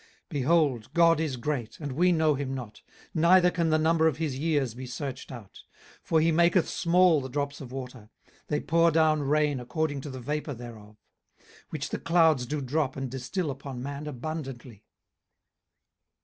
18:036:026 Behold, God is great, and we know him not, neither can the number of his years be searched out. 18:036:027 For he maketh small the drops of water: they pour down rain according to the vapour thereof: 18:036:028 Which the clouds do drop and distil upon man abundantly.